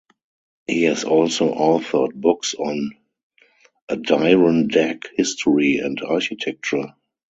He has also authored books on Adirondack history and architecture.